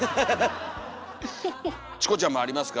チコちゃんもありますか？